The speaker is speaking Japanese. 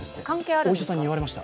お医者さんに言われました。